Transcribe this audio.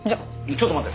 ちょっと待て！